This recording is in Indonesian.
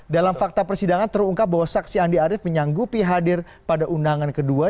dalam fakta persidangan terungkap bahwa saksi andi arief menyanggupi hadir pada undangan kedua